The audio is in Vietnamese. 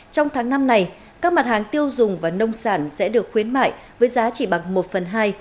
trong tháng năm này các mặt hàng tiêu dùng và nông sản sẽ được khuyến mại với giá chỉ bằng một phần hai